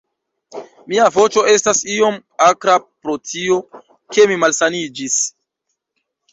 Mia voĉo estas iom akra pro tio, ke mi malsaniĝis